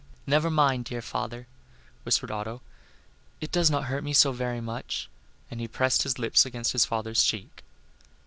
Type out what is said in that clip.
"Never mind, dear father," whispered Otto; "it did not hurt me so very much," and he pressed his lips against his father's cheek.